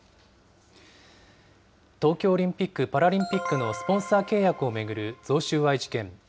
東京オリンピック・パラリンピックのスポンサー契約を巡る贈収賄事件。